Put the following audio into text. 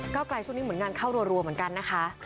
ก้าวไกลส่วนนี้เหมือนงานเข้ารั่วเหมือนกันนะคะครับ